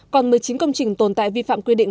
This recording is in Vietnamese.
còn một mươi chín công trình tồn tại vi phạm quy định